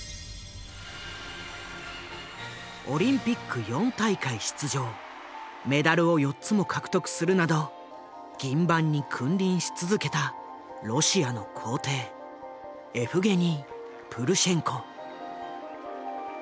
オリンピック４大会出場メダルを４つも獲得するなど銀盤に君臨し続けたロシアの「皇帝」エフゲニー・プルシェンコ。